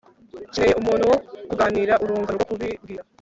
ukeneye umuntu wo kuganira, urungano rwo kubibwira